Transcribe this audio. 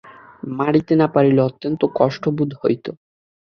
মারিতে না পারিলে অত্যন্ত কষ্ট বোধ হইত।